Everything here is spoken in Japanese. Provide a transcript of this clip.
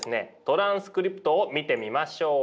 トランスクリプトを見てみましょう。